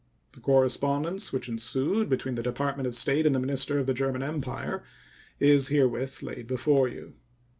The correspondence which ensued between the Department of State and the minister of the German Empire is herewith laid before you.